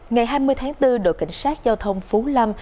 ngày hai mươi tháng bốn đội cảnh sát giao thông phú lâm